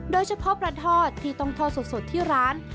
โดยเฉพาะปลาทอดที่ต้องทอดสดที่ร้าน